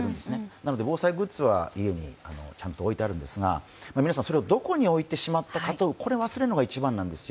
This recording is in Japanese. なので、防災グッズは家にちゃんと置いてあるんですが、皆さんそれをどこに置いてしまったかと、忘れるのが一番なんですよ。